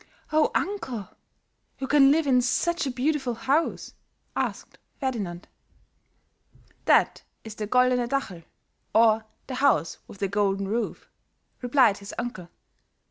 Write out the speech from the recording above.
"Oh, uncle, who can live in such a beautiful house?" asked Ferdinand. "That is the Goldne Dachl, or the House with the Golden Roof," replied his uncle.